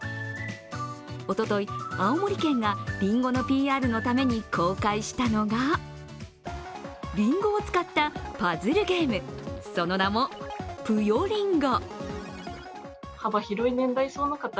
おととい、青森県がりんごのＰＲのために公開したのがりんごを使ったパズルゲーム、その名も、ぷよりんご。